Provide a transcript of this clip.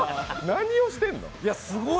何をしてんの？